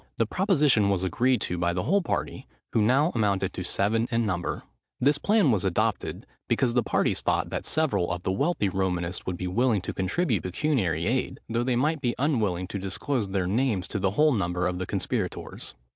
The proposition was agreed to by the whole party, who now amounted to seven in number. This plan was adopted, because the parties thought, that several of the wealthy Romanists would be willing to contribute pecuniary aid, though they might be unwilling to disclose their names to the whole number of the conspirators.